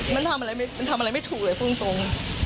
มันทำอะไรไม่ถูกเลยพูดจริง